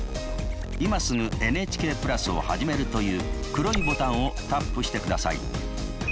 「今すぐＮＨＫプラスをはじめる」という黒いボタンをタップしてください。